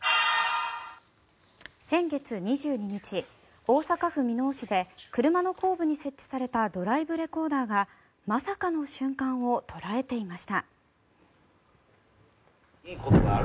先月２２日大阪府箕面市で車の後部に設置されたドライブレコーダーがまさかの瞬間を捉えていました。